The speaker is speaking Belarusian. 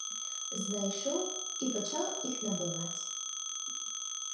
Знайшоў і пачаў іх набываць.